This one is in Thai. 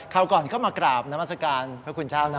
คราวก่อนเข้ามากราบนามอสการพระคุณชาวนะว่า